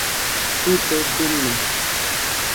jibe duño